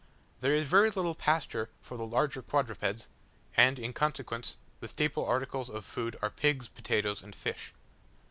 There is very little pasture for the larger quadrupeds; and in consequence, the staple articles of food are pigs, potatoes, and fish.